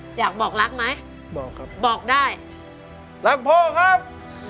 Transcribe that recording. พี่รักผักบุ้งพี่เป๊กรักผักบุ้งครับ